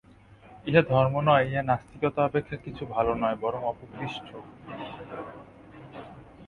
ইহা ধর্ম নয়, ইহা নাস্তিকতা অপেক্ষা কিছু ভাল নয়, বরং অপকৃষ্ট।